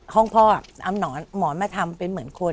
ห้องพ่อเอาหมอนมาทำเป็นเหมือนคน